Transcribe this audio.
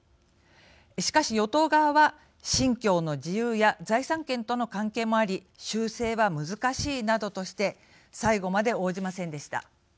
しかし、与党側は信教の自由や財産権との関係もあり修正は難しいなどとして最後まで応じませんでした。